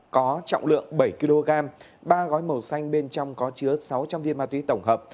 có trọng lượng bảy kg ba gói màu xanh bên trong có chứa sáu trăm linh viên ma túy tổng hợp